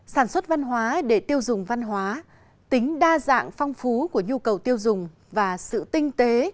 sản xuất văn hóa để tiêu dùng văn hóa tính đa dạng phong phú của nhu cầu tiêu dùng và sự tinh tế